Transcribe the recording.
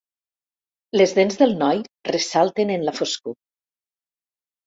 Les dents del noi ressalten en la foscor.